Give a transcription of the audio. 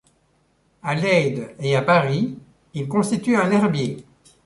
À Leyde et à Paris, il constitue un herbier.